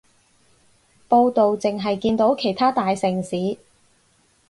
報導淨係見到其他大城市